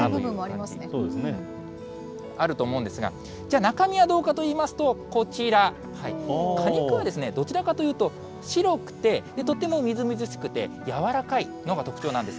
あると思うんですが、じゃあ、中身はどうかといいますと、こちら、果肉はですね、どちらかというと白くて、とてもみずみずしくて、柔らかいのが特徴なんです。